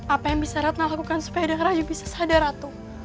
apa yang bisa ratna lakukan supaya raja bisa sadar artung